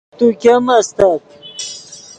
تو ګیم استت